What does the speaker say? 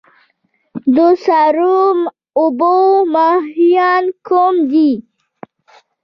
د سړو اوبو ماهیان کوم دي؟